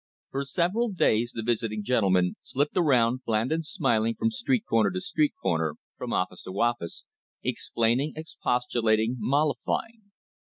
For several days the visiting gentlemen slipped around, bland and smiling, from street corner to street corner, from office to office, explaining, expostulating, mollifying.